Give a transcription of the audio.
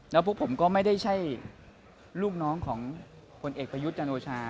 แล้วพวกผมก็ไม่ได้ใช่ลูกน้องของผลเอกประยุทธ์จันโอชา